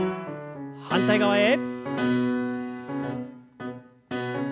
反対側へ。